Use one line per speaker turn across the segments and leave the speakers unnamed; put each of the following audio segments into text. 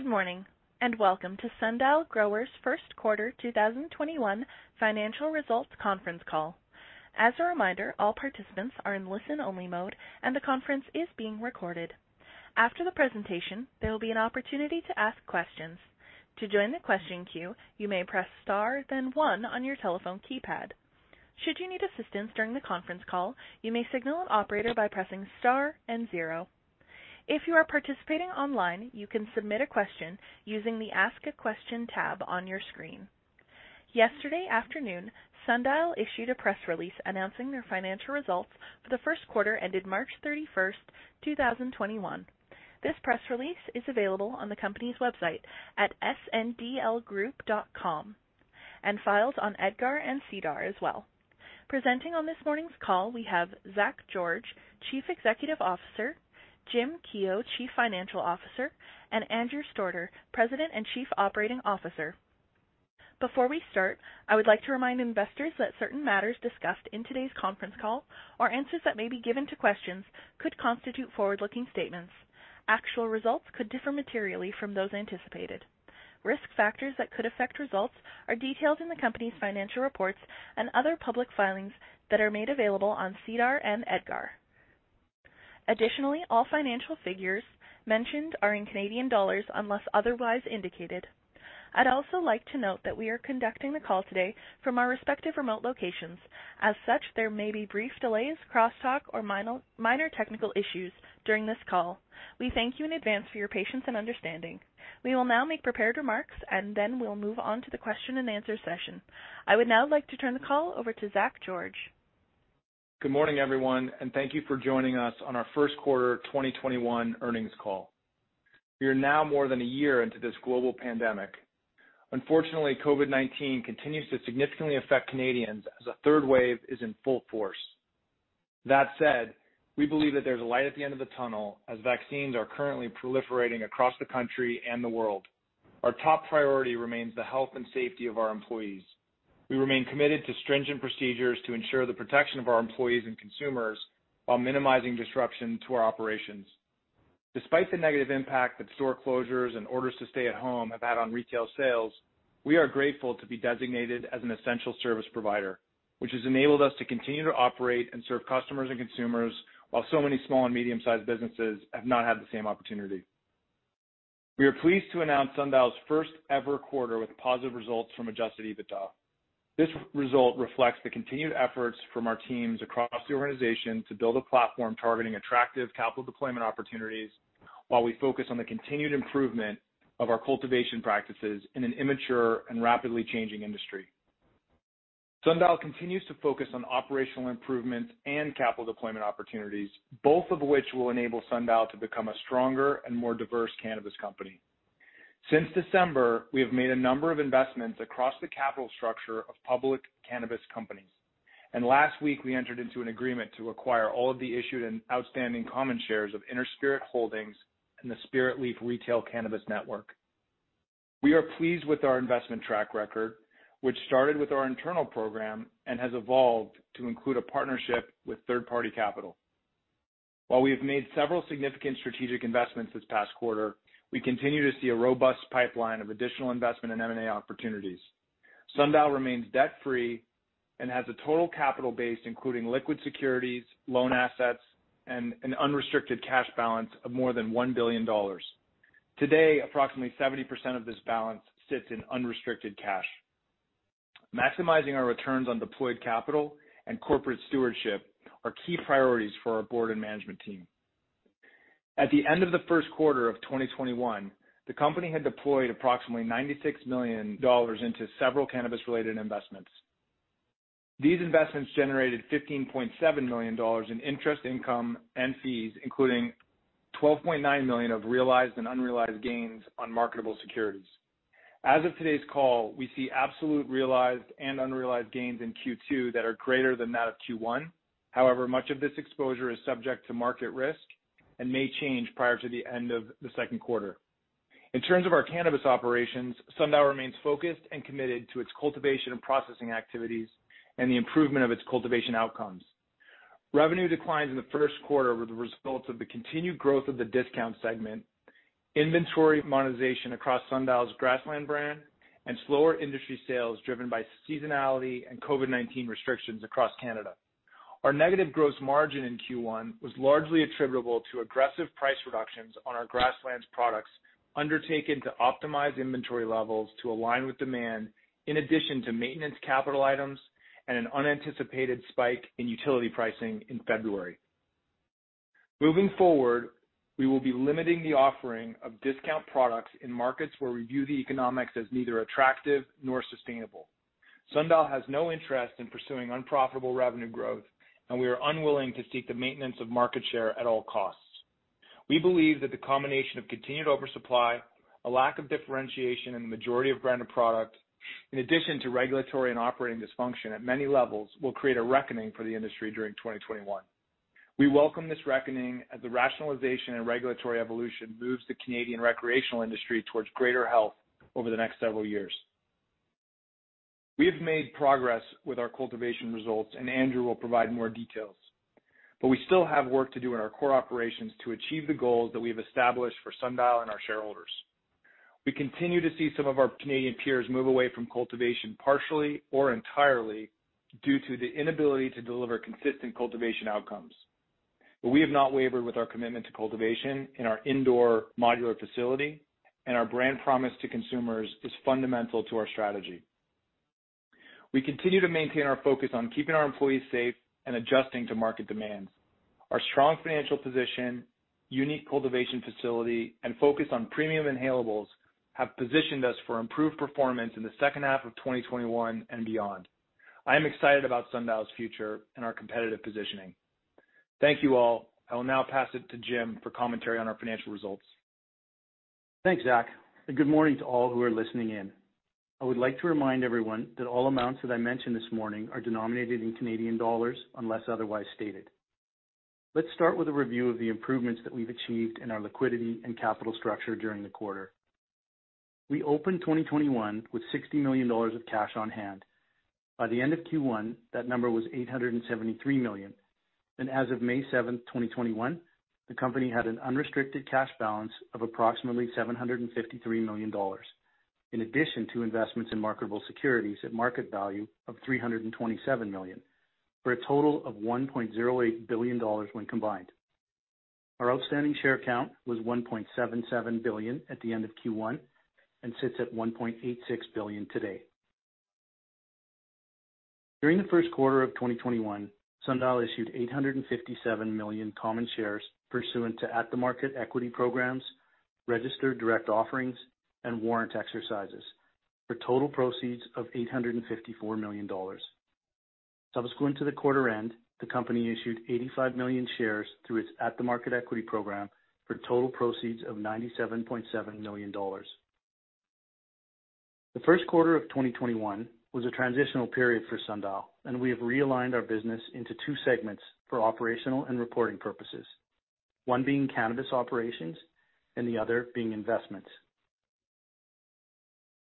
Good morning, welcome to Sundial Growers' first quarter 2021 financial results conference call. As a reminder, all participants are in listen-only mode, and the conference is being recorded. After the presentation, there will be an opportunity to ask questions. To join the question queue, you may press star then one on your telephone keypad. Should you need assistance during the conference call, you may signal an operator by pressing star then zero. If you are participating online, you can submit a question using a ask question tab on your screen. Yesterday afternoon, Sundial issued a press release announcing their financial results for the first quarter ended March 31st, 2021. This press release is available on the company's website at sndlgroup.com and files on EDGAR and SEDAR as well. Presenting on this morning's call, we have Zach George, Chief Executive Officer, Jim Keough, Chief Financial Officer, and Andrew Stordeur, President and Chief Operating Officer. Before we start, I would like to remind investors that certain matters discussed in today's conference call or answers that may be given to questions could constitute forward-looking statements. Actual results could differ materially from those anticipated. Risk factors that could affect results are detailed in the company's financial reports and other public filings that are made available on SEDAR and EDGAR. Additionally, all financial figures mentioned are in Canadian dollars unless otherwise indicated. I'd also like to note that we are conducting the call today from our respective remote locations. As such, there may be brief delays, crosstalk, or minor technical issues during this call. We thank you in advance for your patience and understanding. We will now make prepared remarks, and then we'll move on to the question-and-answer session. I would now like to turn the call over to Zach George.
Good morning, everyone, and thank you for joining us on our first quarter 2021 earnings call. We are now more than a year into this global pandemic. Unfortunately, COVID-19 continues to significantly affect Canadians as a third wave is in full force. That said, we believe that there's a light at the end of the tunnel, as vaccines are currently proliferating across the country and the world. Our top priority remains the health and safety of our employees. We remain committed to stringent procedures to ensure the protection of our employees and consumers while minimizing disruption to our operations. Despite the negative impact that store closures and orders to stay at home have had on retail sales, we are grateful to be designated as an essential service provider, which has enabled us to continue to operate and serve customers and consumers while so many small and medium-sized businesses have not had the same opportunity. We are pleased to announce Sundial's first-ever quarter with positive results from Adjusted EBITDA. This result reflects the continued efforts from our teams across the organization to build a platform targeting attractive capital deployment opportunities while we focus on the continued improvement of our cultivation practices in an immature and rapidly changing industry. Sundial continues to focus on operational improvements and capital deployment opportunities, both of which will enable Sundial to become a stronger and more diverse cannabis company. Since December, we have made a number of investments across the capital structure of public cannabis companies, and last week, we entered into an agreement to acquire all of the issued and outstanding common shares of Inner Spirit Holdings and the Spiritleaf Retail Cannabis Network. We are pleased with our investment track record, which started with our internal program and has evolved to include a partnership with third-party capital. While we have made several significant strategic investments this past quarter, we continue to see a robust pipeline of additional investment and M&A opportunities. Sundial remains debt-free and has a total capital base, including liquid securities, loan assets, and an unrestricted cash balance of more than 1 billion dollars. Today, approximately 70% of this balance sits in unrestricted cash. Maximizing our returns on deployed capital and corporate stewardship are key priorities for our board and management team. At the end of the first quarter of 2021, the company had deployed approximately 96 million dollars into several cannabis-related investments. These investments generated 15.7 million dollars in interest income and fees, including 12.9 million of realized and unrealized gains on marketable securities. As of today's call, we see absolute realized and unrealized gains in Q2 that are greater than that of Q1. However, much of this exposure is subject to market risk and may change prior to the end of the second quarter. In terms of our cannabis operations, Sundial remains focused and committed to its cultivation and processing activities and the improvement of its cultivation outcomes. Revenue declines in the first quarter were the results of the continued growth of the discount segment, inventory monetization across Sundial's Grasslands brand, and slower industry sales driven by seasonality and COVID-19 restrictions across Canada. Our negative gross margin in Q1 was largely attributable to aggressive price reductions on our Grasslands products undertaken to optimize inventory levels to align with demand, in addition to maintenance capital items and an unanticipated spike in utility pricing in February. Moving forward, we will be limiting the offering of discount products in markets where we view the economics as neither attractive nor sustainable. Sundial has no interest in pursuing unprofitable revenue growth. We are unwilling to seek the maintenance of market share at all costs. We believe that the combination of continued oversupply, a lack of differentiation in the majority of branded product, in addition to regulatory and operating dysfunction at many levels, will create a reckoning for the industry during 2021. We welcome this reckoning as the rationalization and regulatory evolution moves the Canadian recreational industry towards greater health over the next several years. We have made progress with our cultivation results, and Andrew will provide more details. We still have work to do in our core operations to achieve the goals that we have established for Sundial and our shareholders. We continue to see some of our Canadian peers move away from cultivation partially or entirely due to the inability to deliver consistent cultivation outcomes. We have not wavered with our commitment to cultivation in our indoor modular facility, and our brand promise to consumers is fundamental to our strategy. We continue to maintain our focus on keeping our employees safe and adjusting to market demands. Our strong financial position, unique cultivation facility, and focus on premium inhalables have positioned us for improved performance in the second half of 2021 and beyond. I am excited about Sundial's future and our competitive positioning. Thank you all. I will now pass it to Jim for commentary on our financial results.
Thanks, Zach, and good morning to all who are listening in. I would like to remind everyone that all amounts that I mention this morning are denominated in Canadian dollars unless otherwise stated. Let's start with a review of the improvements that we've achieved in our liquidity and capital structure during the quarter. We opened 2021 with 60 million dollars of cash on hand. By the end of Q1, that number was 873 million, and as of May 7th, 2021, the company had an unrestricted cash balance of approximately CAD 753 million, in addition to investments in marketable securities at market value of CAD 327 million, for a total of CAD 1.08 billion when combined. Our outstanding share count was 1.77 billion at the end of Q1 and sits at 1.86 billion today. During the first quarter of 2021, Sundial issued 857 million common shares pursuant to at-the-market equity programs, registered direct offerings, and warrant exercises, for total proceeds of 854 million dollars. Subsequent to the quarter end, the company issued 85 million shares through its at-the-market equity program for total proceeds of 97.7 million dollars. The first quarter of 2021 was a transitional period for Sundial, and we have realigned our business into two segments for operational and reporting purposes, one being cannabis operations and the other being investments.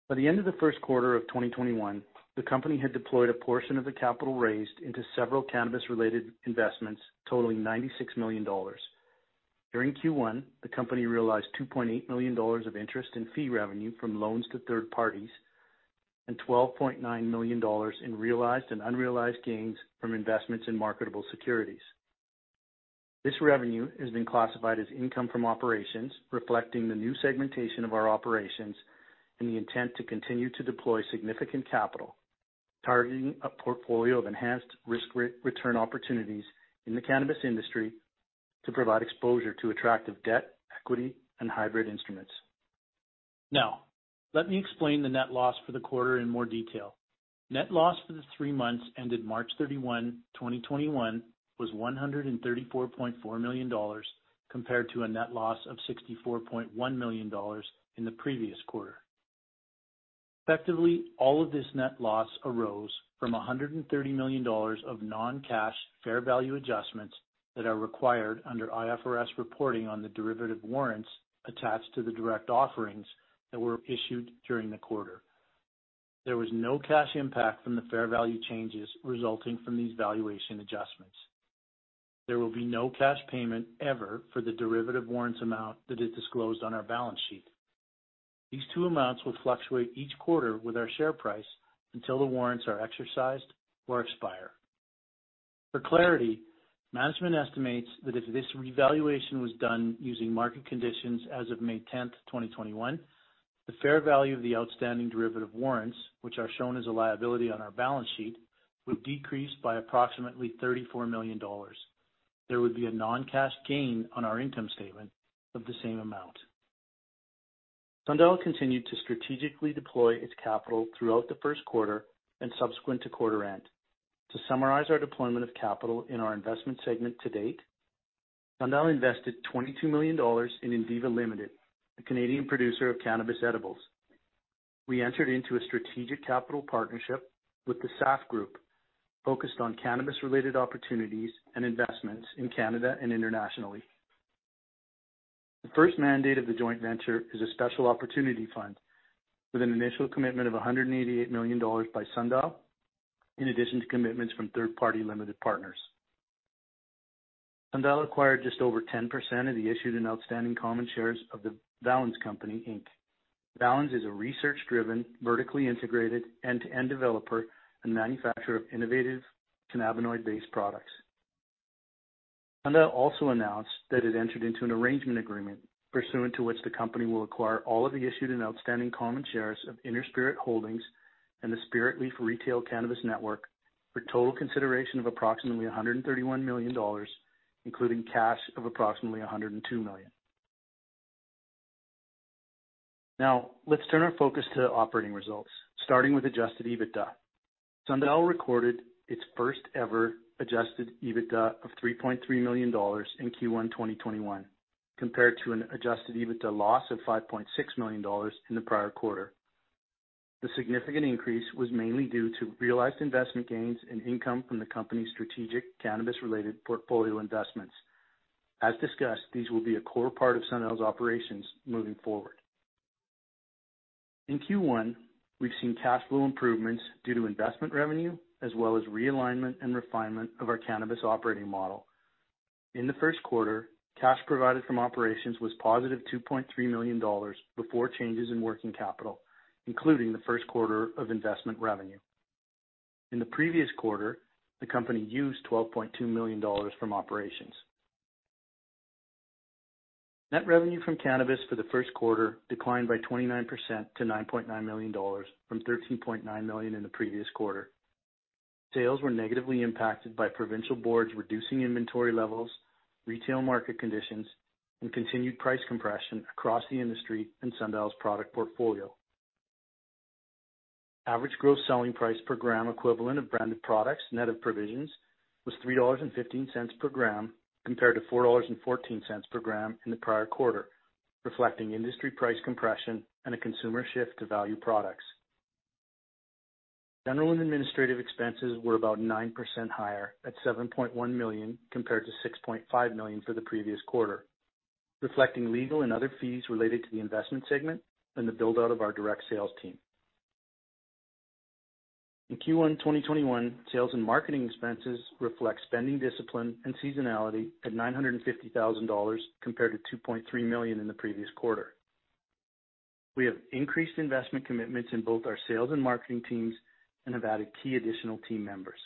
By the end of the first quarter of 2021, the company had deployed a portion of the capital raised into several cannabis-related investments totaling 96 million dollars. During Q1, the company realized 2.8 million dollars of interest in fee revenue from loans to third parties and 12.9 million dollars in realized and unrealized gains from investments in marketable securities. This revenue has been classified as income from operations, reflecting the new segmentation of our operations and the intent to continue to deploy significant capital, targeting a portfolio of enhanced risk return opportunities in the cannabis industry to provide exposure to attractive debt, equity, and hybrid instruments. Now, let me explain the net loss for the quarter in more detail. Net loss for the three months ended March 31, 2021, was 134.4 million dollars, compared to a net loss of 64.1 million dollars in the previous quarter. Effectively, all of this net loss arose from 130 million dollars of non-cash fair value adjustments that are required under IFRS reporting on the derivative warrants attached to the direct offerings that were issued during the quarter. There was no cash impact from the fair value changes resulting from these valuation adjustments. There will be no cash payment ever for the derivative warrants amount that is disclosed on our balance sheet. These two amounts will fluctuate each quarter with our share price until the warrants are exercised or expire. For clarity, management estimates that if this revaluation was done using market conditions as of May 10th, 2021, the fair value of the outstanding derivative warrants, which are shown as a liability on our balance sheet, would decrease by approximately 34 million dollars. There would be a non-cash gain on our income statement of the same amount. Sundial continued to strategically deploy its capital throughout the first quarter and subsequent to quarter end. To summarize our deployment of capital in our investment segment to date, Sundial invested 22 million dollars in Indiva Limited, a Canadian producer of cannabis edibles. We entered into a strategic capital partnership with the SAF Group, focused on cannabis-related opportunities and investments in Canada and internationally. The first mandate of the joint venture is a special opportunity fund with an initial commitment of 188 million dollars by Sundial, in addition to commitments from third-party limited partners. Sundial acquired just over 10% of the issued and outstanding common shares of The Valens Company Inc. Valens is a research-driven, vertically integrated end-to-end developer and manufacturer of innovative cannabinoid-based products. Sundial also announced that it entered into an arrangement agreement pursuant to which the company will acquire all of the issued and outstanding common shares of Inner Spirit Holdings and the Spiritleaf Retail Cannabis Network for total consideration of approximately 131 million dollars, including cash of approximately 102 million. Let's turn our focus to operating results, starting with Adjusted EBITDA. Sundial recorded its first ever Adjusted EBITDA of 3.3 million dollars in Q1 2021, compared to an Adjusted EBITDA loss of 5.6 million dollars in the prior quarter. The significant increase was mainly due to realized investment gains and income from the company's strategic cannabis-related portfolio investments. As discussed, these will be a core part of Sundial's operations moving forward. In Q1, we've seen cash flow improvements due to investment revenue, as well as realignment and refinement of our cannabis operating model. In the first quarter, cash provided from operations was positive 2.3 million dollars before changes in working capital, including the first quarter of investment revenue. In the previous quarter, the company used 12.2 million dollars from operations. Net revenue from cannabis for the first quarter declined by 29% to 9.9 million dollars from 13.9 million in the previous quarter. Sales were negatively impacted by provincial boards reducing inventory levels, retail market conditions, and continued price compression across the industry and Sundial's product portfolio. Average gross selling price per gram equivalent of branded products net of provisions was 3.15 dollars per gram, compared to 4.14 dollars per gram in the prior quarter, reflecting industry price compression and a consumer shift to value products. General and administrative expenses were about 9% higher at 7.1 million, compared to 6.5 million for the previous quarter, reflecting legal and other fees related to the investment segment and the build-out of our direct sales team. In Q1 2021, sales and marketing expenses reflect spending discipline and seasonality at 950,000 dollars compared to 2.3 million in the previous quarter. We have increased investment commitments in both our sales and marketing teams and have added key additional team members.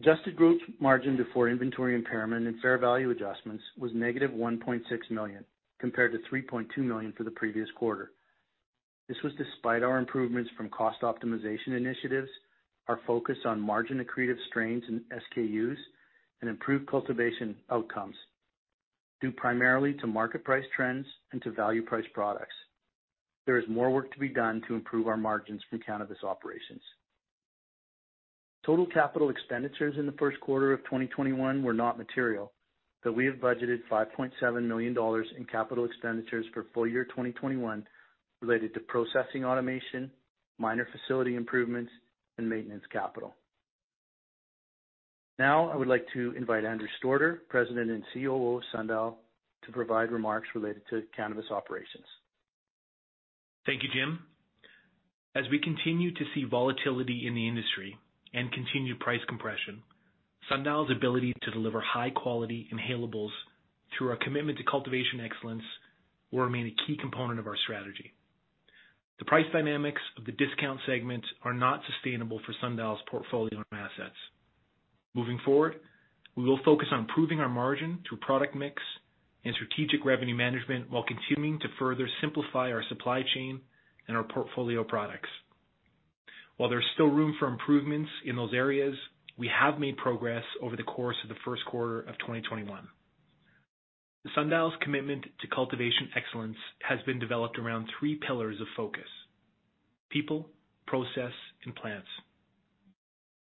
Adjusted gross margin before inventory impairment and fair value adjustments was negative 1.6 million compared to 3.2 million for the previous quarter. This was despite our improvements from cost optimization initiatives, our focus on margin-accretive strains and SKUs, and improved cultivation outcomes, due primarily to market price trends and to value price products. There is more work to be done to improve our margins from cannabis operations. Total capital expenditures in the first quarter of 2021 were not material, but we have budgeted 5.7 million dollars in capital expenditures for full year 2021 related to processing automation, minor facility improvements, and maintenance capital. I would like to invite Andrew Stordeur, President and COO of Sundial, to provide remarks related to cannabis operations.
Thank you, Jim. As we continue to see volatility in the industry and continued price compression, Sundial's ability to deliver high-quality inhalables through our commitment to cultivation excellence will remain a key component of our strategy. The price dynamics of the discount segment are not sustainable for Sundial's portfolio and assets. Moving forward, we will focus on improving our margin through product mix and strategic revenue management while continuing to further simplify our supply chain and our portfolio products. While there's still room for improvements in those areas, we have made progress over the course of the first quarter of 2021. Sundial's commitment to cultivation excellence has been developed around three pillars of focus, people, process, and plants.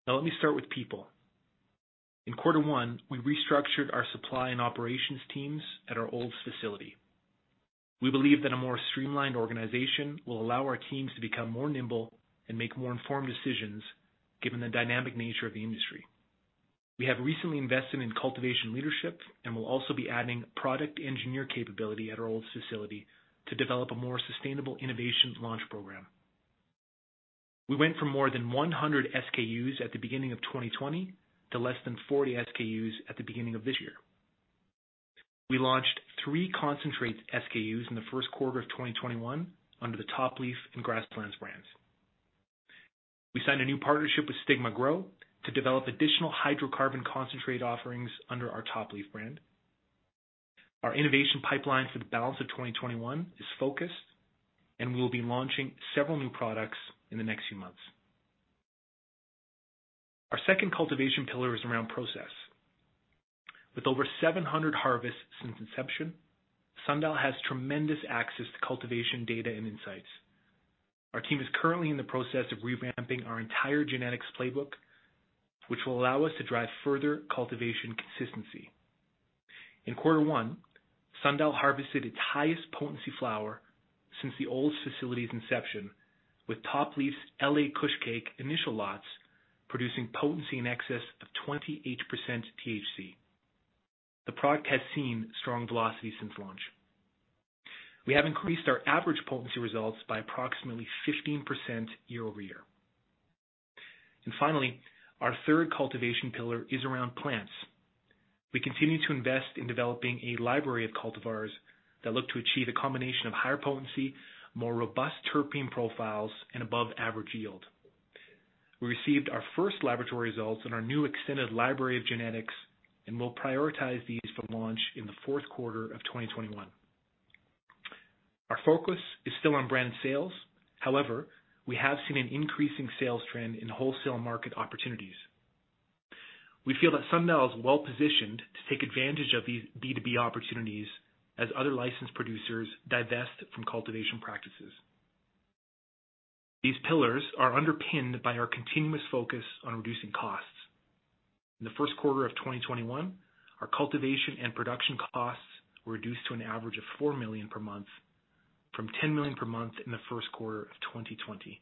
Now let me start with people. In quarter one, we restructured our supply and operations teams at our Olds facility. We believe that a more streamlined organization will allow our teams to become more nimble and make more informed decisions given the dynamic nature of the industry. We have recently invested in cultivation leadership and will also be adding product engineer capability at our Olds facility to develop a more sustainable innovations launch program. We went from more than 100 SKUs at the beginning of 2020 to less than 40 SKUs at the beginning of this year. We launched three concentrate SKUs in Q1 2021 under the Top Leaf and Grasslands brands. We signed a new partnership with Stigma Grow to develop additional hydrocarbon concentrate offerings under our Top Leaf brand. Our innovation pipeline for the balance of 2021 is focused, and we will be launching several new products in the next few months. Our second cultivation pillar is around process. With over 700 harvests since inception, Sundial has tremendous access to cultivation data and insights. Our team is currently in the process of revamping our entire genetics playbook, which will allow us to drive further cultivation consistency. In Q1, Sundial harvested its highest potency flower since the Olds facility's inception, with Top Leaf's LA Kush Cake initial lots producing potency in excess of 28% THC. The product has seen strong velocity since launch. We have increased our average potency results by approximately 15% year-over-year. Finally, our third cultivation pillar is around plants. We continue to invest in developing a library of cultivars that look to achieve a combination of higher potency, more robust terpene profiles, and above-average yield. We received our first laboratory results in our new extended library of genetics, and we'll prioritize these for launch in the fourth quarter of 2021. Our focus is still on brand sales. However, we have seen an increasing sales trend in wholesale market opportunities. We feel that Sundial is well-positioned to take advantage of these B2B opportunities as other licensed producers divest from cultivation practices. These pillars are underpinned by our continuous focus on reducing costs. In the first quarter of 2021, our cultivation and production costs were reduced to an average of 4 million per month from 10 million per month in the first quarter of 2020.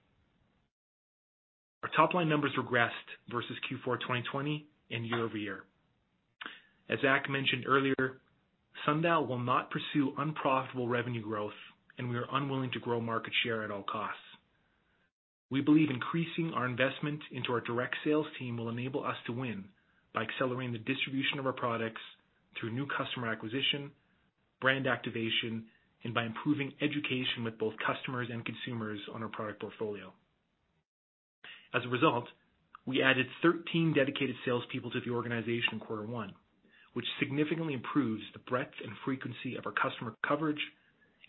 Our top-line numbers regressed versus Q4 2020 and year-over-year. As Zach mentioned earlier, Sundial will not pursue unprofitable revenue growth, and we are unwilling to grow market share at all costs. We believe increasing our investment into our direct sales team will enable us to win by accelerating the distribution of our products through new customer acquisition, brand activation, and by improving education with both customers and consumers on our product portfolio. As a result, we added 13 dedicated salespeople to the organization in quarter one, which significantly improves the breadth and frequency of our customer coverage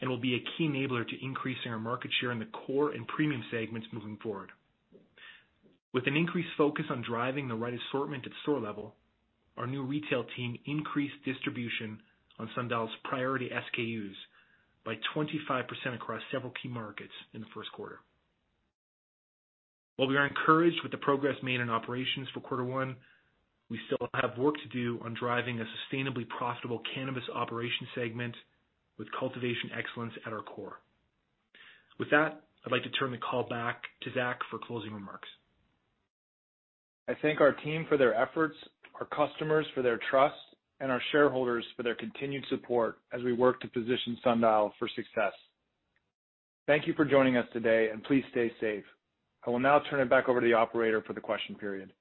and will be a key enabler to increasing our market share in the core and premium segments moving forward. With an increased focus on driving the right assortment at store level, our new retail team increased distribution on Sundial's priority SKUs by 25% across several key markets in the first quarter. While we are encouraged with the progress made in operations for quarter one, we still have work to do on driving a sustainably profitable cannabis operation segment with cultivation excellence at our core. With that, I'd like to turn the call back to Zach for closing remarks.
I thank our team for their efforts, our customers for their trust, and our shareholders for their continued support as we work to position Sundial for success. Thank you for joining us today, and please stay safe. I will now turn it back over to the operator for the question period.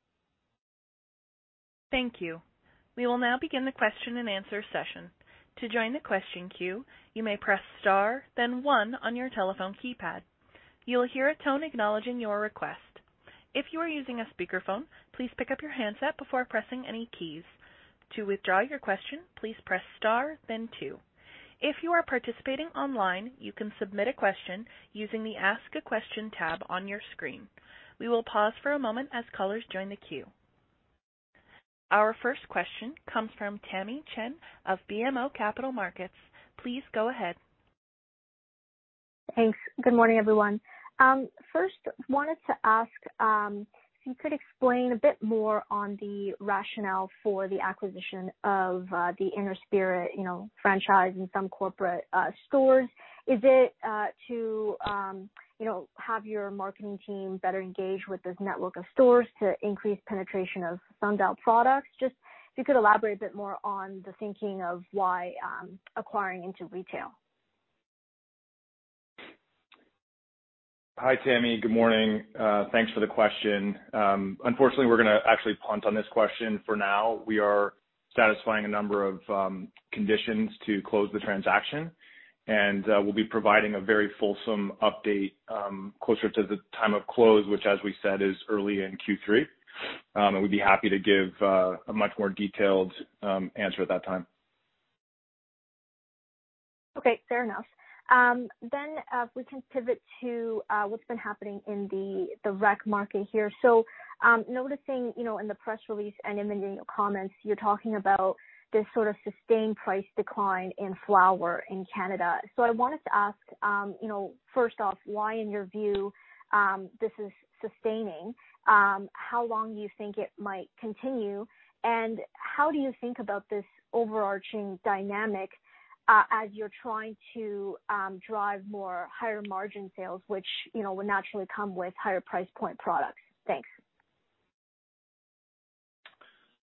Our first question comes from Tamy Chen of BMO Capital Markets. Please go ahead.
Thanks. Good morning, everyone. First, wanted to ask if you could explain a bit more on the rationale for the acquisition of the Inner Spirit franchise in some corporate stores. Is it to have your marketing team better engaged with this network of stores to increase penetration of Sundial products? Just if you could elaborate a bit more on the thinking of why acquiring into retail.
Hi, Tamy. Good morning. Thanks for the question. Unfortunately, we're going to actually punt on this question for now. We are satisfying a number of conditions to close the transaction, and we'll be providing a very fulsome update closer to the time of close, which as we said, is early in Q3. We'd be happy to give a much more detailed answer at that time.
Okay, fair enough. If we can pivot to what's been happening in the rec market here. Noticing in the press release and in many of your comments, you're talking about this sort of sustained price decline in flower in Canada. I wanted to ask, first off, why in your view this is sustaining, how long you think it might continue, and how do you think about this overarching dynamic, as you're trying to drive more higher margin sales, which will naturally come with higher price point products? Thanks.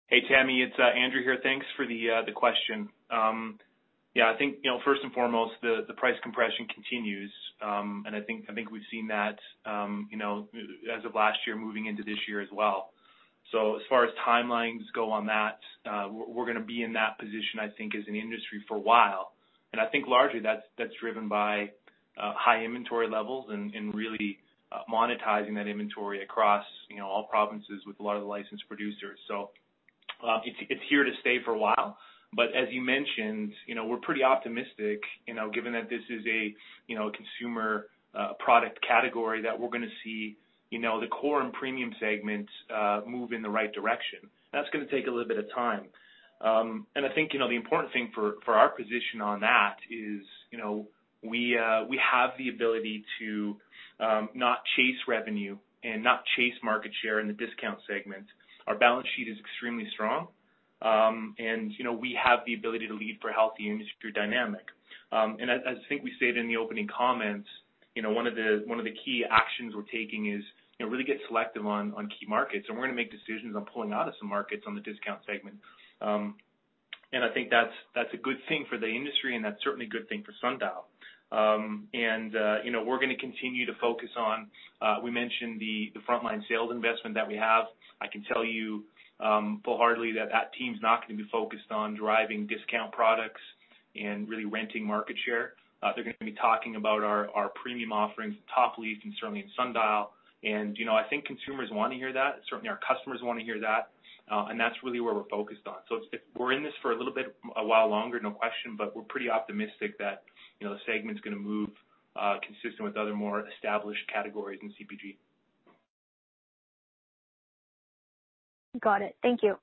Hey, Tamy, it's Andrew here. Thanks for the question. Yeah, I think, first and foremost, the price compression continues. I think we've seen that as of last year moving into this year as well. As far as timelines go on that, we're going to be in that position, I think, as an industry for a while. I think largely that's driven by high inventory levels and really monetizing that inventory across all provinces with a lot of the licensed producers. It's here to stay for a while. As you mentioned, we're pretty optimistic, given that this is a consumer product category that we're going to see the core and premium segments move in the right direction. That's going to take a little bit of time. I think the important thing for our position on that is we have the ability to not chase revenue and not chase market share in the discount segment. Our balance sheet is extremely strong, and we have the ability to lead for a healthy industry dynamic. As I think we stated in the opening comments, one of the key actions we're taking is really get selective on key markets, and we're going to make decisions on pulling out of some markets on the discount segment. I think that's a good thing for the industry, and that's certainly a good thing for Sundial. We're going to continue to focus on, we mentioned the frontline sales investment that we have. I can tell you full-heartedly that that team's not going to be focused on driving discount products and really renting market share. They're going to be talking about our premium offerings, Top Leaf, and certainly in Sundial. I think consumers want to hear that. Certainly, our customers want to hear that. That's really where we're focused on. We're in this for a little bit, a while longer, no question, but we're pretty optimistic that the segment's going to move consistent with other more established categories in CPG.
Got it. Thank you.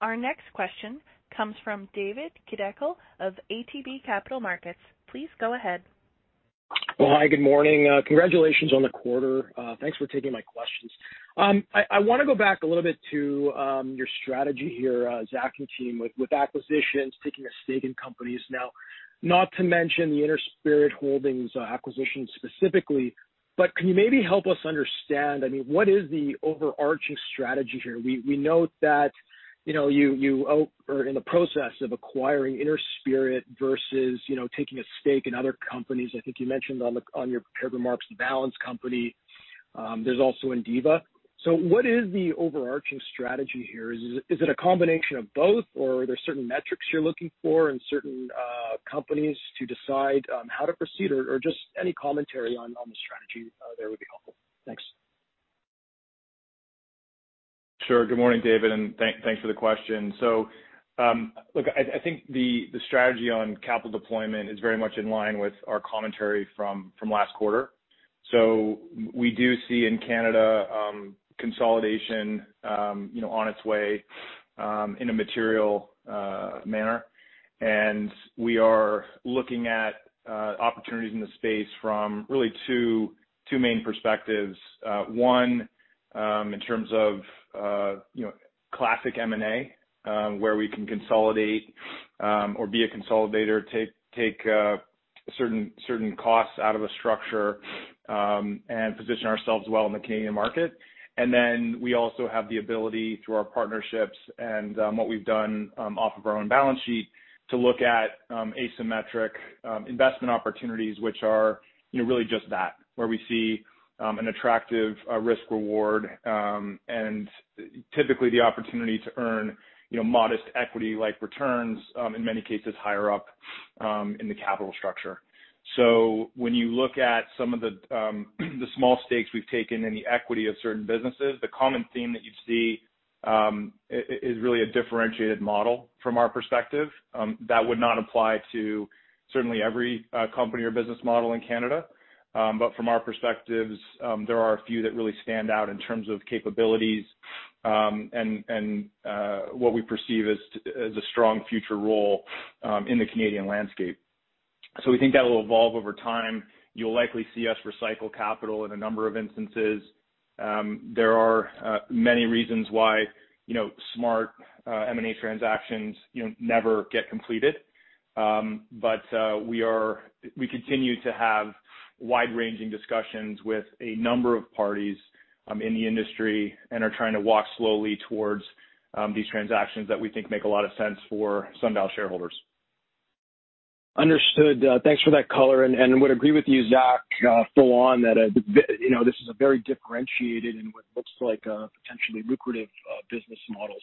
Our next question comes from David Kideckel of ATB Capital Markets. Please go ahead.
Well, hi, good morning. Congratulations on the quarter. Thanks for taking my questions. I want to go back a little bit to your strategy here, Zach and team, with acquisitions, taking a stake in companies. Not to mention the Inner Spirit Holdings acquisition specifically, but can you maybe help us understand, what is the overarching strategy here? We note that you are in the process of acquiring Inner Spirit versus taking a stake in other companies. I think you mentioned on your prepared remarks The Valens Company. There's also Indiva. What is the overarching strategy here? Is it a combination of both or are there certain metrics you're looking for and certain companies to decide how to proceed, or just any commentary on the strategy there would be helpful. Thanks.
Sure. Good morning, David, and thanks for the question. Look, I think the strategy on capital deployment is very much in line with our commentary from last quarter. We do see in Canada consolidation on its way in a material manner. We are looking at opportunities in the space from really two main perspectives. One, in terms of classic M&A, where we can consolidate or be a consolidator, take certain costs out of a structure, and position ourselves well in the Canadian market. We also have the ability, through our partnerships and what we've done off of our own balance sheet, to look at asymmetric investment opportunities, which are really just that, where we see an attractive risk-reward, and typically the opportunity to earn modest equity-like returns, in many cases higher up in the capital structure. When you look at some of the small stakes we've taken in the equity of certain businesses, the common theme that you see is really a differentiated model from our perspective. That would not apply to certainly every company or business model in Canada. From our perspectives, there are a few that really stand out in terms of capabilities and what we perceive as a strong future role in the Canadian landscape. We think that will evolve over time. You'll likely see us recycle capital in a number of instances. There are many reasons why smart M&A transactions never get completed. We continue to have wide-ranging discussions with a number of parties in the industry and are trying to walk slowly towards these transactions that we think make a lot of sense for Sundial shareholders.
Understood. Thanks for that color, and would agree with you, Zach, full on that this is a very differentiated and what looks like a potentially lucrative business model.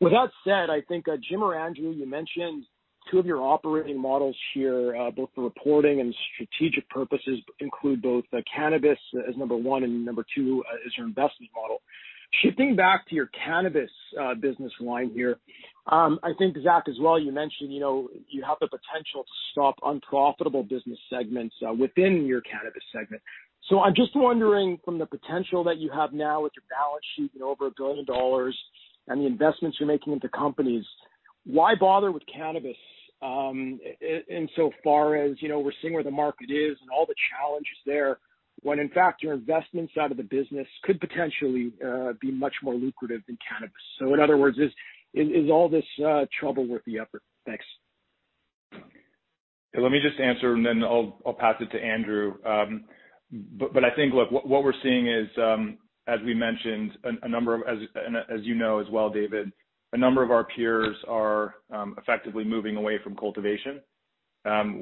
With that said, I think Jim or Andrew, you mentioned two of your operating models here, both for reporting and strategic purposes, include both cannabis as number one and number two as your investment model. Shifting back to your cannabis business line here, I think Zach as well, you mentioned you have the potential to stop unprofitable business segments within your cannabis segment. I'm just wondering from the potential that you have now with your balance sheet and over 1 billion dollars and the investments you're making into companies, why bother with cannabis insofar as we're seeing where the market is and all the challenges there, when in fact, your investment side of the business could potentially be much more lucrative than cannabis. In other words, is all this trouble worth the effort? Thanks.
Let me just answer, and then I'll pass it to Andrew. I think, look, what we're seeing is, as we mentioned, and as you know as well, David, a number of our peers are effectively moving away from cultivation.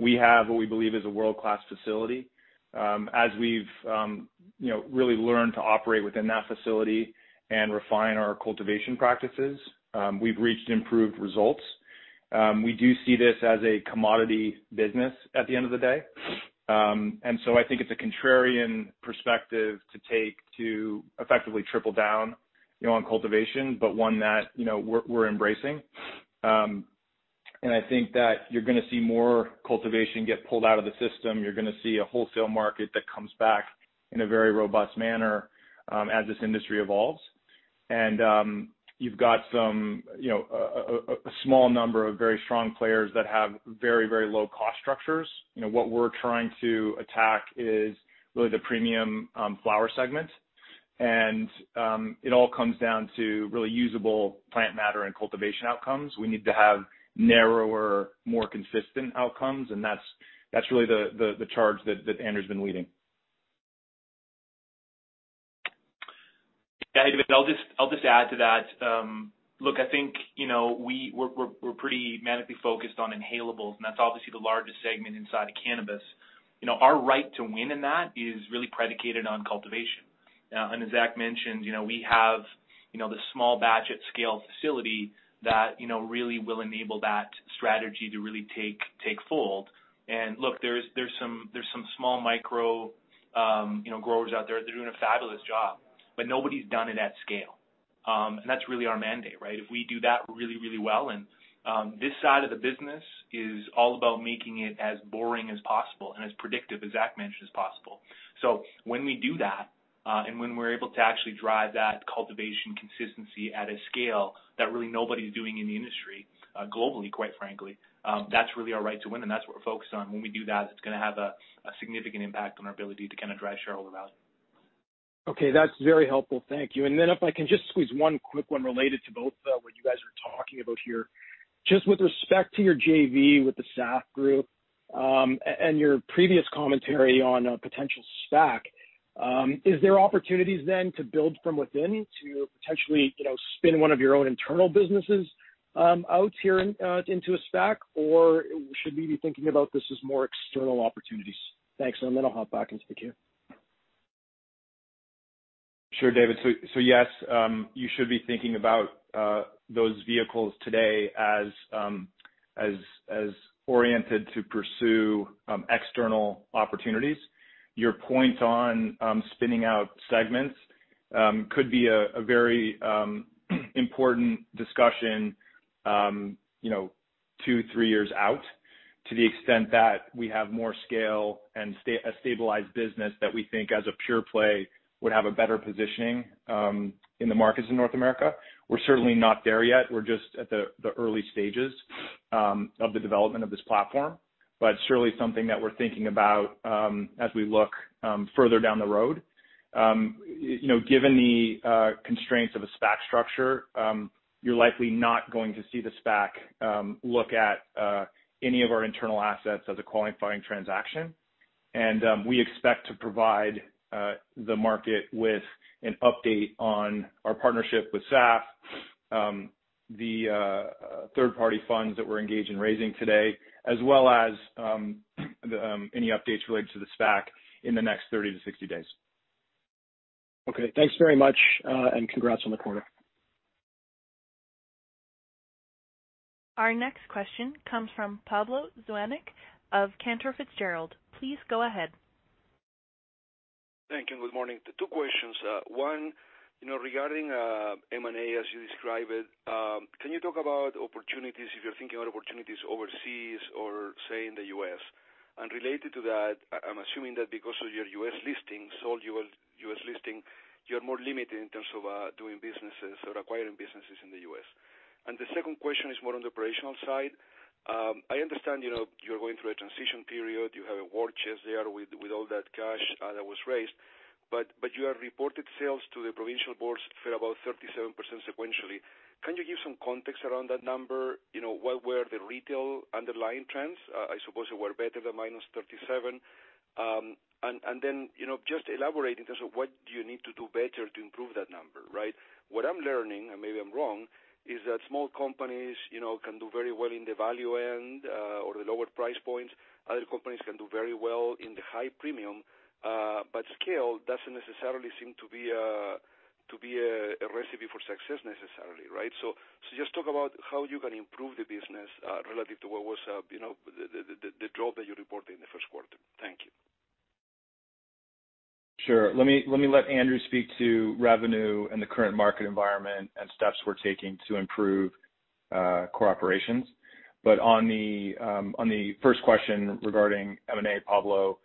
We have what we believe is a world-class facility. As we've really learned to operate within that facility and refine our cultivation practices, we've reached improved results. We do see this as a commodity business at the end of the day, and so I think it's a contrarian perspective to take to effectively triple down on cultivation, but one that we're embracing. I think that you're going to see more cultivation get pulled out of the system. You're going to see a wholesale market that comes back in a very robust manner as this industry evolves. You've got a small number of very strong players that have very low cost structures. What we're trying to attack is really the premium flower segment, and it all comes down to really usable plant matter and cultivation outcomes. We need to have narrower, more consistent outcomes, and that's really the charge that Andrew's been leading.
Yeah, David, I'll just add to that. Look, I think we're pretty manically focused on inhalables, and that's obviously the largest segment inside of cannabis. Our right to win in that is really predicated on cultivation. As Zach mentioned, we have the small batch at scale facility that really will enable that strategy to really take hold. Look, there's some small micro growers out there that are doing a fabulous job, but nobody's done it at scale. That's really our mandate, right? If we do that really well, this side of the business is all about making it as boring as possible and as predictive as Zach mentioned as possible. When we do that, and when we're able to actually drive that cultivation consistency at a scale that really nobody's doing in the industry globally, quite frankly, that's really our right to win, and that's what we're focused on. When we do that, it's going to have a significant impact on our ability to drive shareholder value.
Okay, that's very helpful. Thank you. If I can just squeeze one quick one related to both what you guys are talking about here. Just with respect to your JV with the SAF Group, and your previous commentary on a potential SPAC, is there opportunities then to build from within to potentially spin one of your own internal businesses out here into a SPAC, or should we be thinking about this as more external opportunities? Thanks. Then I'll hop back into the queue.
Sure, David. Yes, you should be thinking about those vehicles today as oriented to pursue external opportunities. Your point on spinning out segments could be a very important discussion two, three years out, to the extent that we have more scale and a stabilized business that we think as a pure play would have a better positioning in the markets in North America. We're certainly not there yet. We're just at the early stages of the development of this platform, but surely something that we're thinking about as we look further down the road. Given the constraints of a SPAC structure, you're likely not going to see the SPAC look at any of our internal assets as a qualifying transaction. We expect to provide the market with an update on our partnership with SAF, the third party funds that we're engaged in raising today, as well as any updates related to the SPAC in the next 30-60 days.
Okay. Thanks very much, and congrats on the quarter.
Our next question comes from Pablo Zuanic of Cantor Fitzgerald. Please go ahead.
Thank you. Good morning. Two questions. One, regarding M&A, as you describe it, can you talk about opportunities, if you're thinking about opportunities overseas or, say, in the U.S.? Related to that, I'm assuming that because of your U.S. listing, sole U.S. listing, you're more limited in terms of doing businesses or acquiring businesses in the U.S. The second question is more on the operational side. I understand you're going through a transition period. You have a war chest there with all that cash that was raised. You have reported sales to the provincial boards for about 37% sequentially. Can you give some context around that number? What were the retail underlying trends? I suppose they were better than -37%. Just elaborate in terms of what do you need to do better to improve that number, right? What I'm learning, and maybe I'm wrong, is that small companies can do very well in the value end, or the lower price points. Other companies can do very well in the high premium, but scale doesn't necessarily seem to be a recipe for success necessarily, right? Just talk about how you can improve the business, relative to what was the drop that you reported in the first quarter. Thank you.
Sure. Let me let Andrew speak to revenue and the current market environment and steps we're taking to improve core operations. On the first question regarding M&A, Pablo,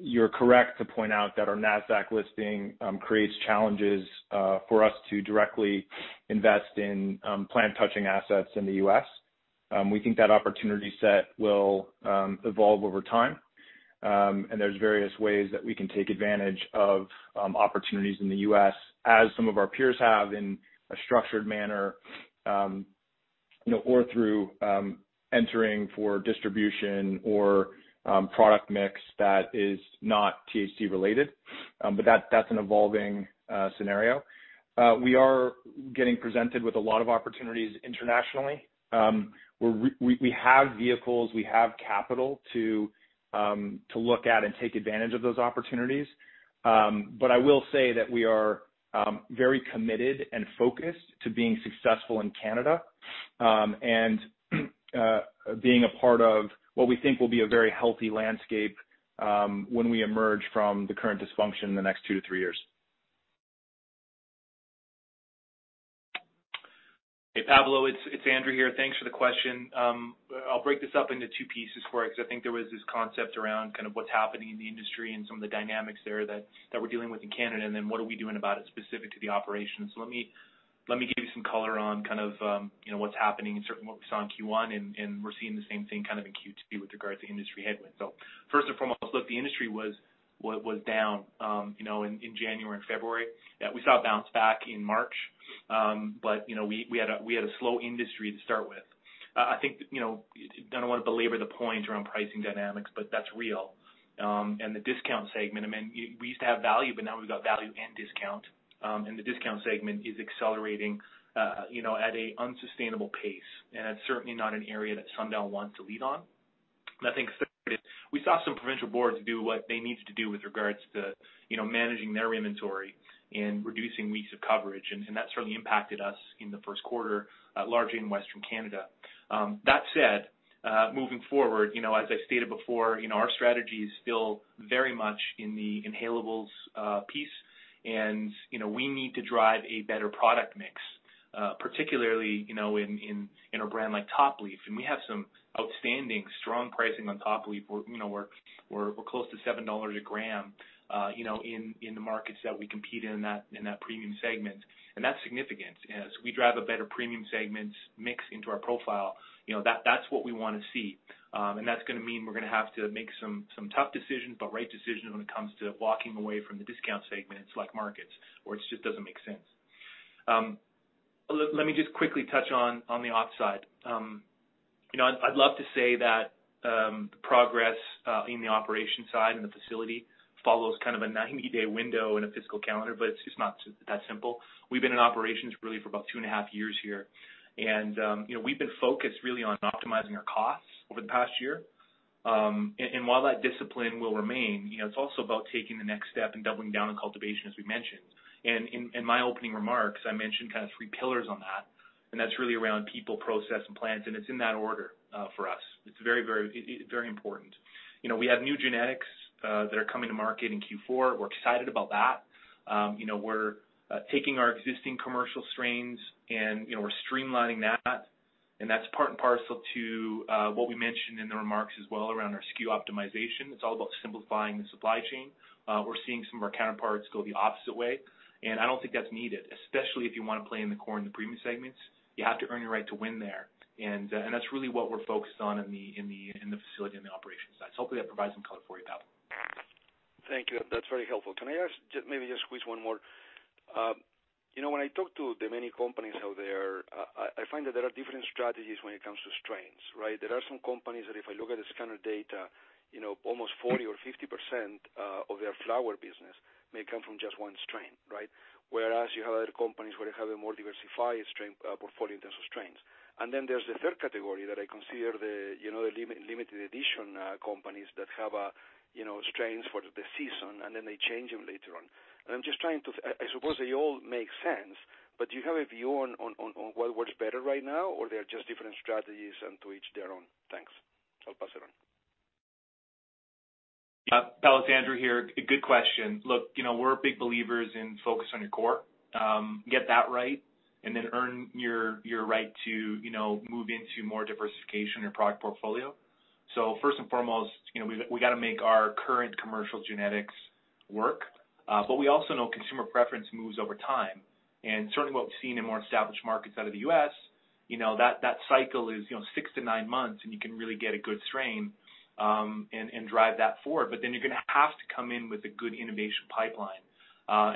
you're correct to point out that our NASDAQ listing creates challenges for us to directly invest in plant-touching assets in the U.S. We think that opportunity set will evolve over time, there's various ways that we can take advantage of opportunities in the U.S. as some of our peers have in a structured manner, or through entering for distribution or product mix that is not THC related. That's an evolving scenario. We are getting presented with a lot of opportunities internationally. We have vehicles, we have capital to look at and take advantage of those opportunities. I will say that we are very committed and focused to being successful in Canada, and being a part of what we think will be a very healthy landscape when we emerge from the current dysfunction in the next two to three years.
Hey, Pablo, it's Andrew here. Thanks for the question. I'll break this up into two pieces for you, because I think there was this concept around what's happening in the industry and some of the dynamics there that we're dealing with in Canada, and then what are we doing about it specific to the operations. Let me give you some color on what's happening and certainly what we saw in Q1, and we're seeing the same thing in Q2 with regard to industry headwinds. First and foremost, look, the industry was down in January and February. We saw it bounce back in March, but we had a slow industry to start with. I don't want to belabor the point around pricing dynamics, but that's real. The discount segment, we used to have value, but now we've got value and discount, and the discount segment is accelerating at an unsustainable pace. That's certainly not an area that Sundial wants to lead on. I think we saw some provincial boards do what they needed to do with regards to managing their inventory and reducing weeks of coverage, and that certainly impacted us in the first quarter, largely in Western Canada. That said, moving forward, as I stated before, our strategy is still very much in the inhalables piece, and we need to drive a better product mix, particularly in a brand like Top Leaf. We have some outstanding strong pricing on Top Leaf. We're close to 7 dollars a gram in the markets that we compete in that premium segment. That's significant. As we drive a better premium segments mix into our profile, that's what we want to see. That's going to mean we're going to have to make some tough decisions, but right decisions when it comes to walking away from the discount segments like markets where it just doesn't make sense. Let me just quickly touch on the ops side. I'd love to say that the progress in the operation side and the facility follows a 90-day window in a fiscal calendar, but it's just not that simple. We've been in operations really for about 2.5 years here, and we've been focused really on optimizing our costs over the past year. While that discipline will remain, it's also about taking the next step and doubling down on cultivation, as we mentioned. In my opening remarks, I mentioned kind of three pillars on that, and that's really around people, process, and plans. It's in that order for us. It's very important. We have new genetics that are coming to market in Q4. We're excited about that. We're taking our existing commercial strains and we're streamlining that. That's part and parcel to what we mentioned in the remarks as well around our SKU optimization. It's all about simplifying the supply chain. We're seeing some of our counterparts go the opposite way, and I don't think that's needed, especially if you want to play in the core and the premium segments. You have to earn your right to win there. That's really what we're focused on in the facility, in the operations side. So hopefully that provides some color for you, Pablo.
Thank you. That's very helpful. Can I maybe just squeeze one more? When I talk to the many companies out there, I find that there are different strategies when it comes to strains, right? There are some companies that if I look at the scanner data, almost 40% or 50% of their flower business may come from just one strain, right? You have other companies where they have a more diversified portfolio in terms of strains. There's the third category that I consider the limited edition companies that have strains for the season, and then they change them later on. I suppose they all make sense, do you have a view on what works better right now, or they're just different strategies and to each their own? Thanks. I'll pass it on.
Yeah. Its Andrew here. Good question. Look, we're big believers in focus on your core. Get that right and then earn your right to move into more diversification in your product portfolio. First and foremost, we got to make our current commercial genetics work. We also know consumer preference moves over time. Certainly, what we've seen in more established markets out of the U.S., that cycle is six to nine months, and you can really get a good strain and drive that forward. You're going to have to come in with a good innovation pipeline.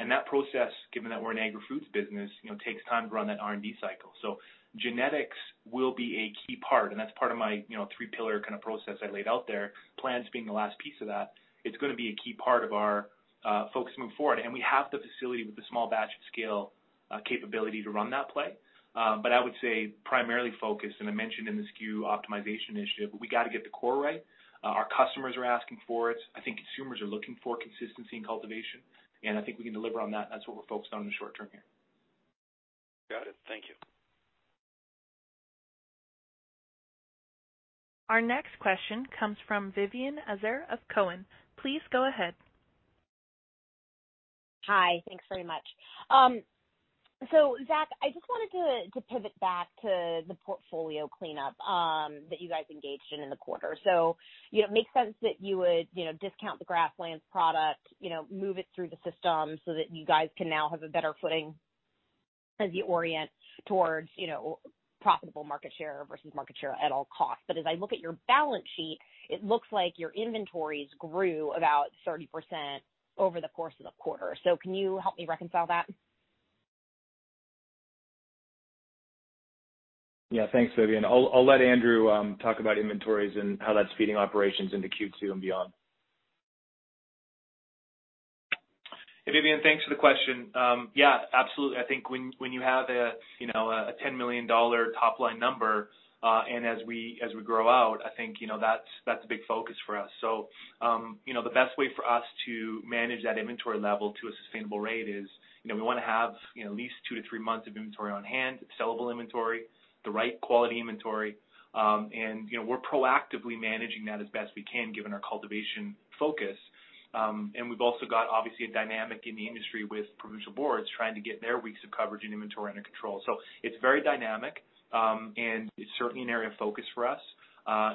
That process, given that we're an agri-foods business, takes time to run that R&D cycle. Genetics will be a key part, and that's part of my three-pillar kind of process I laid out there, plans being the last piece of that. It's going to be a key part of our focus moving forward, and we have the facility with the small batch scale capability to run that play. I would say primarily focus, and I mentioned in the SKU optimization initiative, we got to get the core right. Our customers are asking for it. I think consumers are looking for consistency in cultivation, and I think we can deliver on that. That's what we're focused on in the short term here.
Got it. Thank you.
Our next question comes from Vivien Azer of Cowen. Please go ahead.
Hi. Thanks very much. Zach, I just wanted to pivot back to the portfolio cleanup that you guys engaged in in the quarter. It makes sense that you would discount the Grasslands product, move it through the system so that you guys can now have a better footing as you orient towards profitable market share versus market share at all costs. As I look at your balance sheet, it looks like your inventories grew about 30% over the course of the quarter. Can you help me reconcile that?
Yeah. Thanks, Vivien. I'll let Andrew talk about inventories and how that's feeding operations into Q2 and beyond.
Hey, Vivien, thanks for the question. Yeah, absolutely. I think when you have a 10 million dollar top-line number, and as we grow out, I think that's a big focus for us. The best way for us to manage that inventory level to a sustainable rate is, we want to have at least two to three months of inventory on hand. It's sellable inventory, the right quality inventory, and we're proactively managing that as best we can given our cultivation focus. We've also got, obviously, a dynamic in the industry with provincial boards trying to get their weeks of coverage and inventory under control. It's very dynamic, and it's certainly an area of focus for us.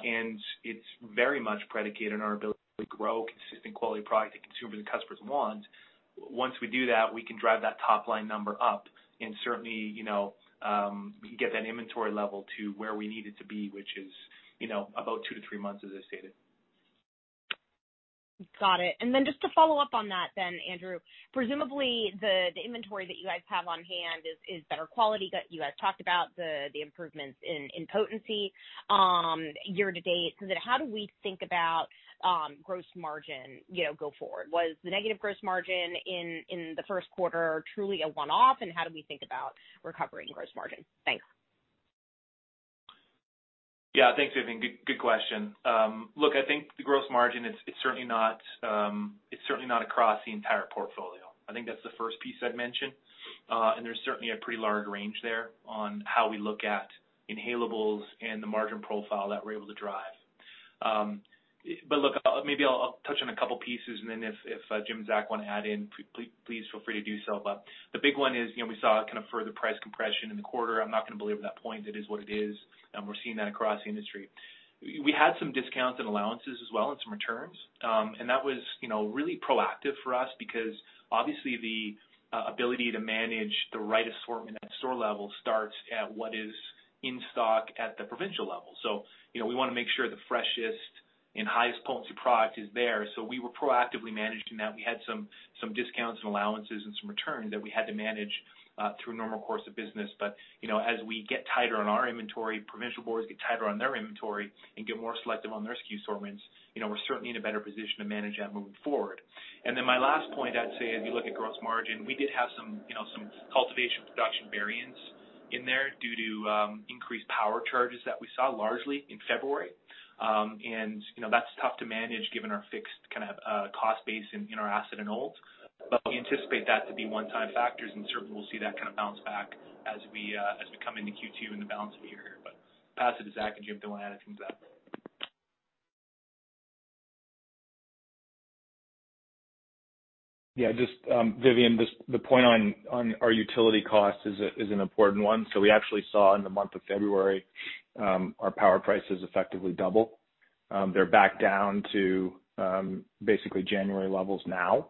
It's very much predicated on our ability to grow a consistent quality product that consumers and customers want. Once we do that, we can drive that top-line number up and certainly, we can get that inventory level to where we need it to be, which is about two to three months, as I stated.
Got it. Just to follow up on that then, Andrew, presumably the inventory that you guys have on hand is better quality. You guys talked about the improvements in potency year to date. How do we think about gross margin go forward? Was the negative gross margin in the first quarter truly a one-off, and how do we think about recovering gross margin? Thanks.
Yeah. Thanks, Vivien. Good question. Look, I think the gross margin, it's certainly not across the entire portfolio. I think that's the first piece I'd mention. There's certainly a pretty large range there on how we look at inhalables and the margin profile that we're able to drive. Look, maybe I'll touch on a couple pieces, and then if Jim and Zach want to add in, please feel free to do so. The big one is we saw a kind of further price compression in the quarter. I'm not going to believe that point. It is what it is. We're seeing that across the industry. We had some discounts and allowances as well, and some returns. That was really proactive for us because obviously the ability to manage the right assortment at store level starts at what is in stock at the provincial level. We want to make sure the freshest and highest potency product is there. We were proactively managing that. We had some discounts and allowances and some returns that we had to manage through normal course of business. As we get tighter on our inventory, provincial boards get tighter on their inventory and get more selective on their SKU assortments, we're certainly in a better position to manage that moving forward. My last point, I'd say as we look at gross margin, we did have some cultivation production variance in there due to increased power charges that we saw largely in February. That's tough to manage given our fixed kind of cost base in our asset holdings. We anticipate that to be one-time factors, and certainly we'll see that kind of bounce back as we come into Q2 and the balance of the year here. Pass it to Zach and Jim if they want to add anything to that.
Yeah, just Vivien, the point on our utility cost is an important one. We actually saw in the month of February, our power prices effectively double. They're back down to basically January levels now.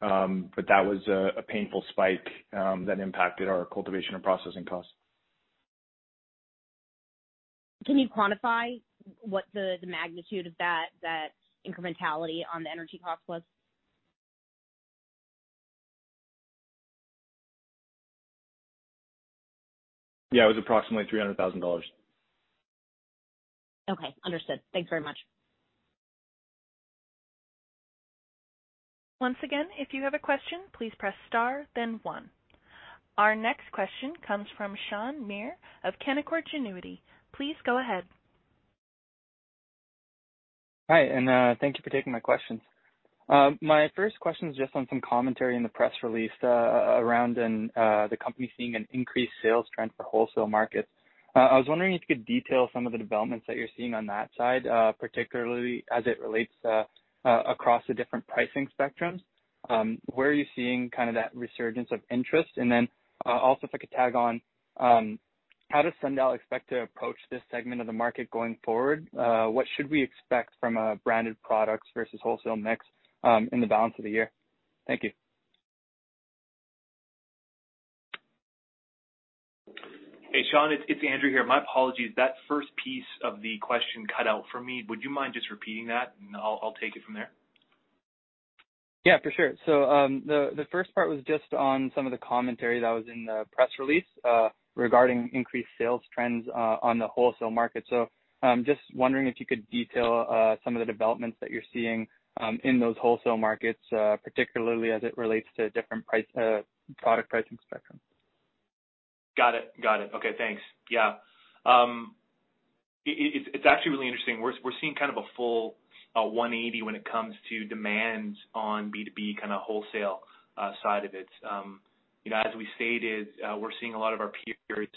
That was a painful spike that impacted our cultivation and processing costs.
Can you quantify what the magnitude of that incrementality on the energy cost was?
Yeah, it was approximately 300,000 dollars.
Okay, understood. Thanks very much.
Once again, if you have a question, please press star then one. Our next question comes from Shaan Mir of Canaccord Genuity. Please go ahead.
Hi. Thank you for taking my questions. My first question is just on some commentary in the press release around the company seeing an increased sales trend for wholesale markets. I was wondering if you could detail some of the developments that you're seeing on that side, particularly as it relates across the different pricing spectrums. Where are you seeing that resurgence of interest? Then also if I could tag on, how does Sundial expect to approach this segment of the market going forward? What should we expect from a branded products versus wholesale mix in the balance of the year? Thank you.
Hey, Shaan, it's Andrew here. My apologies. That first piece of the question cut out for me. Would you mind just repeating that, and I'll take it from there?
Yeah, for sure. The first part was just on some of the commentary that was in the press release regarding increased sales trends on the wholesale market. Just wondering if you could detail some of the developments that you're seeing in those wholesale markets, particularly as it relates to different product pricing spectrums.
Got it. Okay, thanks. Yeah. It's actually really interesting. We're seeing kind of a full 180 when it comes to demand on B2B kind of wholesale side of it. As we stated, we're seeing a lot of our peers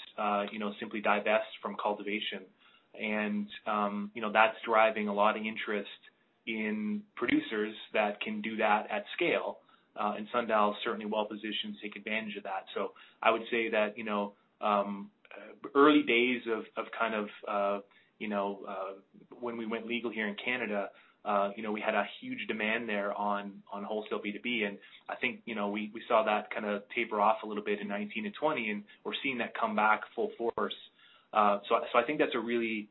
simply divest from cultivation. That's driving a lot of interest in producers that can do that at scale, and Sundial is certainly well-positioned to take advantage of that. I would say that early days of when we went legal here in Canada, we had a huge demand there on wholesale B2B, and I think we saw that kind of taper off a little bit in 2019 and 2020, and we're seeing that come back full force. I think that's a really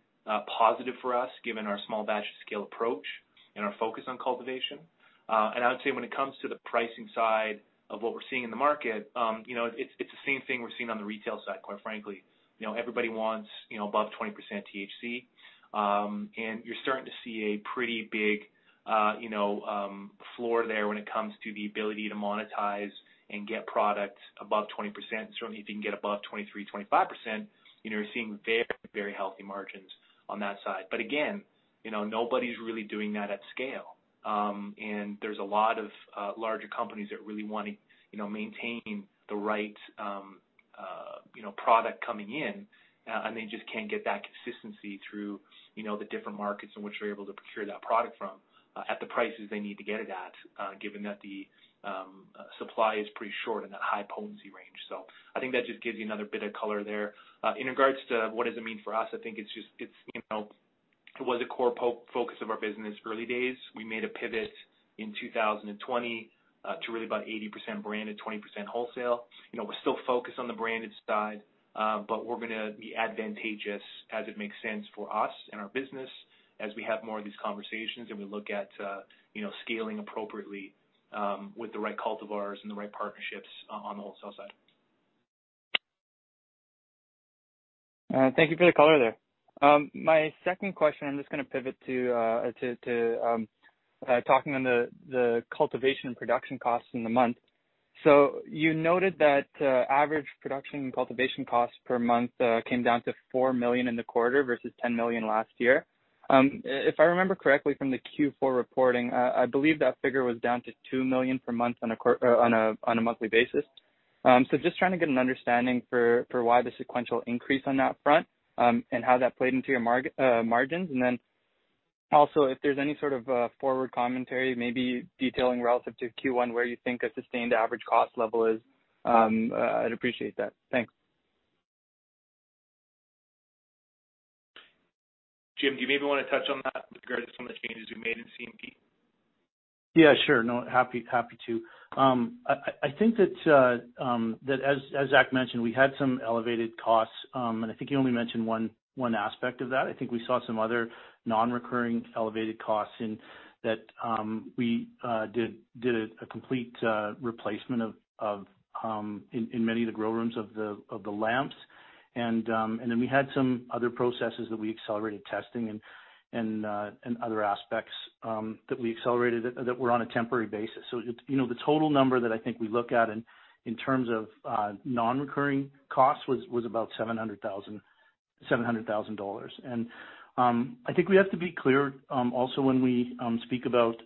positive for us given our small batch scale approach and our focus on cultivation. I would say when it comes to the pricing side of what we're seeing in the market, it's the same thing we're seeing on the retail side, quite frankly. Everybody wants above 20% THC. You're starting to see a pretty big floor there when it comes to the ability to monetize and get product above 20%. Certainly, if you can get above 23%-25%, you're seeing very healthy margins on that side. Again, nobody's really doing that at scale. There's a lot of larger companies that really want to maintain the right product coming in, and they just can't get that consistency through the different markets in which they're able to procure that product from at the prices they need to get it at, given that the supply is pretty short in that high potency range. I think that just gives you another bit of color there. In regards to what does it mean for us, I think it was a core focus of our business early days. We made a pivot in 2020 to really about 80% branded, 20% wholesale. We're still focused on the branded side, but we're going to be advantageous as it makes sense for us and our business as we have more of these conversations and we look at scaling appropriately with the right cultivars and the right partnerships on the wholesale side.
Thank you for the color there. My second question, I'm just going to pivot to talking on the cultivation and production costs in the month. You noted that average production and cultivation costs per month came down to 4 million in the quarter versus 10 million last year. If I remember correctly from the Q4 reporting, I believe that figure was down to 2 million per month on a monthly basis. Just trying to get an understanding for why the sequential increase on that front, and how that played into your margins, and then also if there's any sort of forward commentary, maybe detailing relative to Q1 where you think a sustained average cost level is, I'd appreciate that. Thanks.
Jim, do you maybe want to touch on that with regards to some of the changes we've made in CMP?
Yeah, sure. No, happy to. I think that as Zach mentioned, we had some elevated costs, and I think he only mentioned one aspect of that. I think we saw some other non-recurring elevated costs in that we did a complete replacement in many of the grow rooms of the lamps. We had some other processes that we accelerated testing and other aspects that we accelerated that were on a temporary basis. The total number that I think we look at in terms of non-recurring costs was about 700,000. I think we have to be clear also when we speak about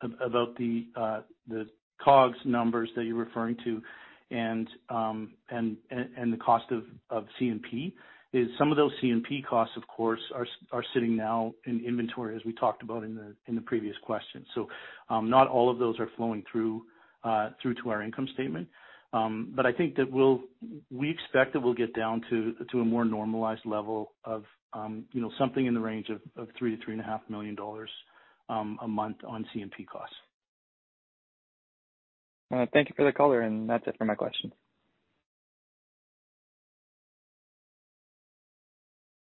the COGS numbers that you're referring to and the cost of CMP, is some of those CMP costs of course are sitting now in inventory as we talked about in the previous question. Not all of those are flowing through to our income statement. I think that we expect that we'll get down to a more normalized level of something in the range of 3 million-3.5 million dollars a month on CMP costs.
Thank you for the color, and that's it for my questions.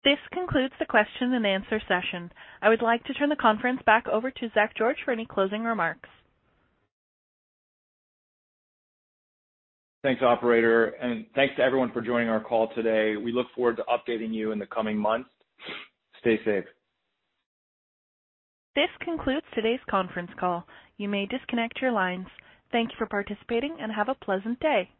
This concludes the question-and-answer session. I would like to turn the conference back over to Zach George for any closing remarks.
Thanks, operator. Thanks to everyone for joining our call today. We look forward to updating you in the coming months. Stay safe.
This concludes today's conference call. You may disconnect your lines. Thank you for participating and have a pleasant day.